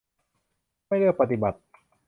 ไม่เลือกปฏิบัติ